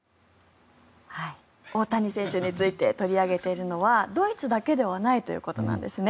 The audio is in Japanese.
大谷選手について取り上げているのはドイツだけではないということなんですね。